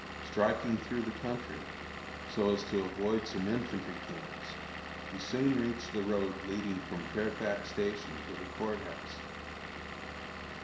Striking through the country, so as to avoid some infantry camps, he soon reached the road leading from Fairfax Station to the Court House.